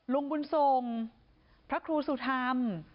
ลุงบุญทรงพระครูสุธรรม